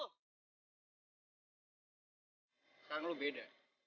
sekarang lo beda